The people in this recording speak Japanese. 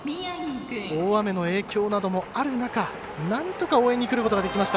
大雨の影響などもある中なんとか応援に来ることができました